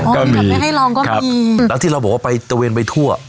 อ๋อก็มีไม่ให้ลองก็มีครับครับแล้วที่เราบอกว่าไปตระเวนไปทั่ว